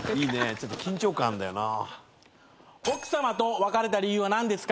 ちょっと緊張感あんだよな。